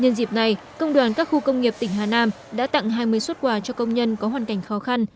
nhân dịp này công đoàn các khu công nghiệp tỉnh hà nam đã tặng hai mươi xuất quà cho công nhân có hoàn cảnh khó khăn